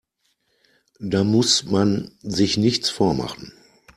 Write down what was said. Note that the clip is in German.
Da muss man sich nichts vormachen.